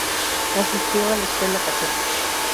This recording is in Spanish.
Asistió a la escuela Católica St.